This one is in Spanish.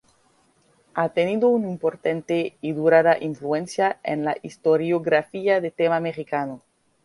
Ha tenido una importante y duradera influencia en la historiografía de tema mexicano.